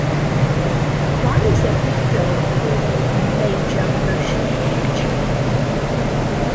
Why is every film called a "major motion picture?"